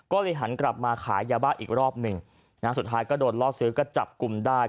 ก็เลยหันกลับมาขายยาบ้าอีกรอบหนึ่งนะฮะสุดท้ายก็โดนล่อซื้อก็จับกลุ่มได้